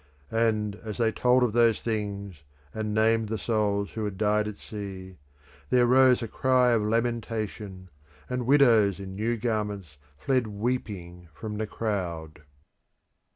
And as they told of those things, and named the souls who had died at sea, there rose a cry of lamentation, and widows in new garments fled weeping from the crowd.